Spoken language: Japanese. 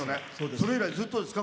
それ以来、ずっとですか？